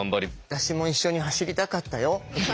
私も一緒に走りたかったよ。